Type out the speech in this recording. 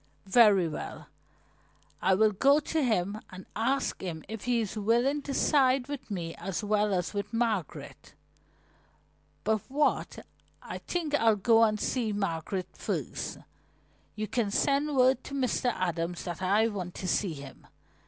"Very well, I will go to him and ask him if he is willing to side with me as well as with Margaret. But wait, I think I'll go and see Margaret first. You can send word to Mr. Adams that I want to see him.